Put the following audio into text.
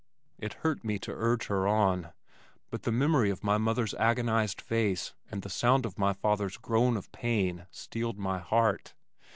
It hurt me to urge her on, but the memory of my mother's agonized face and the sound of my father's groan of pain steeled my heart.